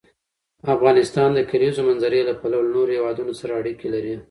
افغانستان د د کلیزو منظره له پلوه له نورو هېوادونو سره اړیکې لري.